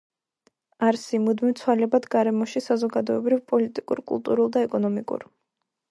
არსი, მუდმივ ცვალებად გარემოში საზოგადოებრივ, პოლიტიკურ, კულტურულ და ეკონომიკურ